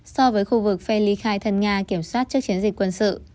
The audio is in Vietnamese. so với khu vực phe ly khai thân nga kiểm soát trước chiến dịch quân sự